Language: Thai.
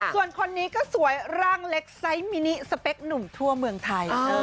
ส่วนคนนี้ก็สวยร่างเล็กไซส์มินิสเปคหนุ่มทั่วเมืองไทย